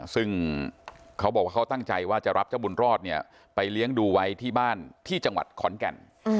ซึ่งเขาบอกว่าเขาตั้งใจว่าจะรับเจ้าบุญรอดเนี่ยไปเลี้ยงดูไว้ที่บ้านที่จังหวัดขอนแก่น